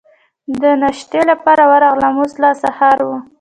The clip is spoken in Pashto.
د ناشتې لپاره ورغلم، اوس لا سهار و.